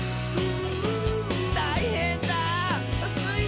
「たいへんだスイ